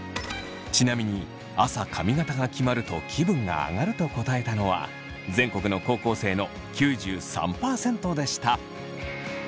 ちなみに「朝髪形が決まると気分が上がる」と答えたのは全国の高校生の９３％でした。